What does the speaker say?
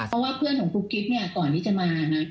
เพราะว่าเพื่อนของครูกริ๊ปก่อนที่จะมานะ